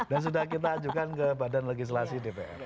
dan sudah kita ajukan ke badan legislasi dpr